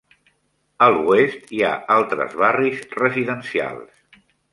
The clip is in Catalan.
A l'oest hi ha altres barris residencials.